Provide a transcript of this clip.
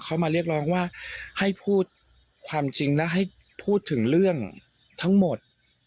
เขามาเรียกร้องว่าให้พูดความจริงและให้พูดถึงเรื่องทั้งหมด